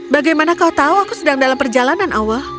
bagaimana kau tahu aku sedang dalam perjalanan awal